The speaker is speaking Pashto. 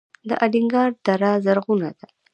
د الینګار دره زرغونه ده